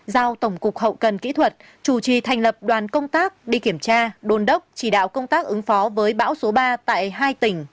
giao tổng cục hậu cần kỹ thuật chủ trì thành lập đoàn công tác đi kiểm tra đôn đốc chỉ đạo công tác ứng phó với bão số ba tại hai tỉnh